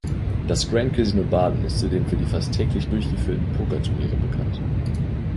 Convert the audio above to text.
Das Grand Casino Baden ist zudem für die fast täglich durchgeführten Pokerturniere bekannt.